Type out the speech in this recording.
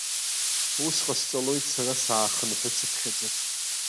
Ус ҟасҵалоит сара саахынҳәыцыԥхьаӡа.